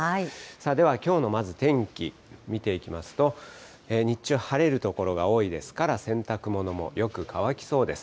では、きょうのまず天気見ていきますと、日中は晴れる所が多いですから、洗濯物もよく乾きそうです。